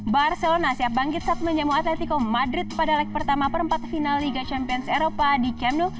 barcelona siap bangkit saat menjamu atletico madrid pada leg pertama perempat final liga champions eropa di kemnu